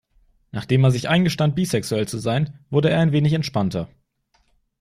Nachdem er sich eingestand, bisexuell zu sein, wurde er ein wenig entspannter.